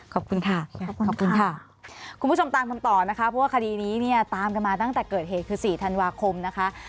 คุณผู้ชมตามกันต่อนะคะเพราะว่าคดีนี้เนี่ยตามกันมาตั้งแต่เกิดเหตุคือ๔ธันวาคมนะคะ